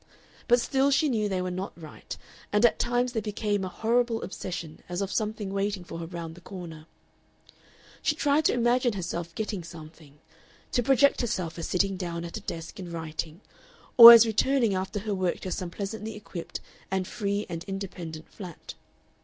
But still she knew they were not right, and at times they became a horrible obsession as of something waiting for her round the corner. She tried to imagine herself "getting something," to project herself as sitting down at a desk and writing, or as returning after her work to some pleasantly equipped and free and independent flat.